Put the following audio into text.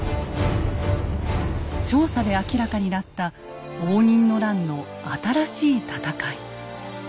調査で明らかになった応仁の乱の新しい戦い。